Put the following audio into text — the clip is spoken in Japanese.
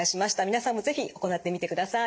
皆さんも是非行ってみてください。